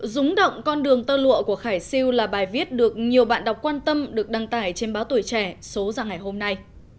rúng động con đường tơ lụa của khải siêu là bài viết được nhiều bạn đọc quan tâm được đăng tải trên báo tuổi trẻ số ra ngày hôm nay